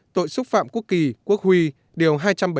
tội xúc phạm quốc kỳ quốc huy điều hai trăm bảy mươi tám